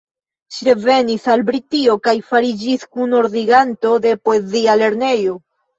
Ŝi revenis al Britio kaj fariĝis kunordiganto de Poezia Lernejo.